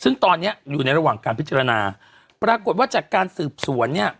ซึ่งตอนเนี้ยอยู่ในระหว่างการพิจารณาปรากฏว่าจากการสืบสวนเนี่ย